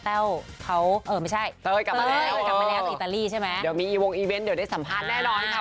ถ้ามีให้เห็นก็ตามนั้นค่ะ